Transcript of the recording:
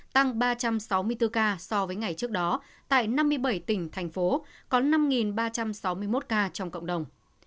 tăng ba trăm sáu mươi bốn ca so với ngày trước đó tại năm mươi bảy tỉnh thành phố có năm ba trăm sáu mươi một ca trong cộng đồng